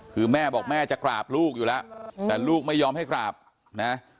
คือแม่บอกแม่จะกราบลูกอยู่แล้วแต่ลูกไม่ยอมให้กราบนะ